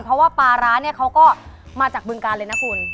เพราะว่าปราร้านเขาก็มาจากเมืองกาลเลย